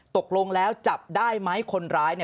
ตกลงแล้วจับได้ไหมคนร้าย